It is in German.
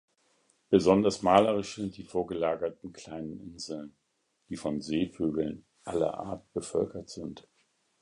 Besonders malerisch sind die vorgelagerten kleinen Inseln, die von Seevögeln aller Art bevölkert sind.